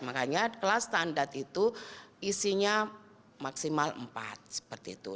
makanya kelas standar itu isinya maksimal empat seperti itu